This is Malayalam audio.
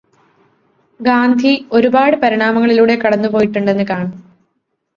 ഗാന്ധി ഒരുപാട് പരിണാമങ്ങളിലൂടെ കടന്നു പോയിട്ടുണ്ടെന്ന് കാണാം.